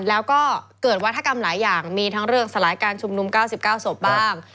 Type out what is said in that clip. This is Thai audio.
แล้วก็เกิดวัฒกรรมหลายอย่างมีทั้งเรื่องสลายการชุมนุม๙๙ศพบ้าง